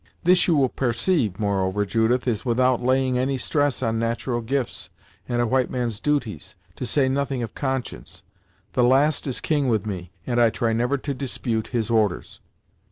This you will pairceive, moreover, Judith, is without laying any stress on nat'ral gifts, and a white man's duties, to say nothing of conscience. The last is king with me, and I try never to dispute his orders."